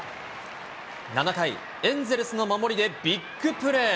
７回、エンゼルスの守りでビッグプレー。